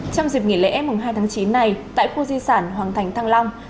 trong dịp nghỉ lễ mùng hai tháng chín này tại khu di sản hoàng thành thăng long